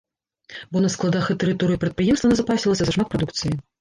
Бо на складах і тэрыторыі прадпрыемства назапасілася зашмат прадукцыі.